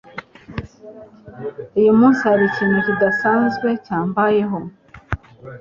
Uyu munsi, hari ikintu kidasanzwe cyambayeho.